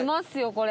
これ。